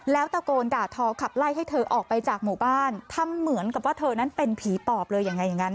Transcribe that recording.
แล้วตะโกนด่าทอขับไล่ให้เธอออกไปจากหมู่บ้านทำเหมือนกับว่าเธอนั้นเป็นผีปอบเลยยังไงอย่างนั้น